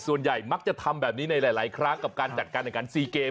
ส่วนใหญ่มักจะทำแบบนี้ในหลายครั้งกับการจัดการแข่งขัน๔เกม